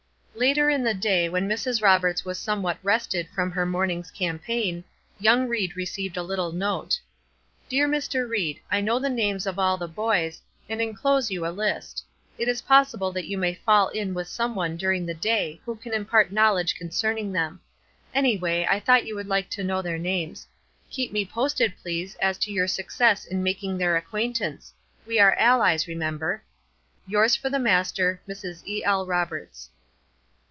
Later in the day, when Mrs. Roberts was somewhat rested from her morning's campaign, young Ried received a little note: Dear Mr. Ried, I know the names of all the boys, and inclose you a list. It is possible that you may fall in with some one during the day who can impart knowledge concerning them. Anyway, I thought you would like to know their names. Keep me posted, please, as to your success in making their acquaintance. We are allies, remember. Yours for the Master, Mrs. E.L. Roberts.